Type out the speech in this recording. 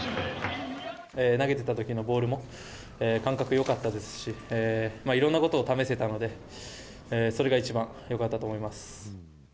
投げてたときのボールの感覚よかったですし、いろんなことを試せたので、それが一番よかったと思います。